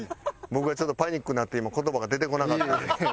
僕がちょっとパニックになって今言葉が出てこなかった。